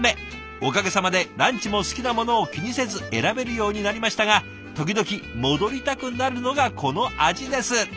おかげさまでランチも好きなものを気にせず選べるようになりましたが時々戻りたくなるのがこの味です」。